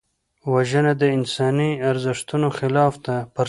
وژنه د انساني ارزښتونو خلاف ده